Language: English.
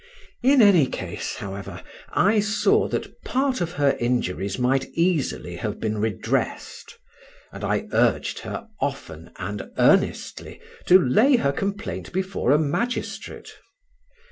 In any case, however, I saw that part of her injuries might easily have been redressed, and I urged her often and earnestly to lay her complaint before a magistrate.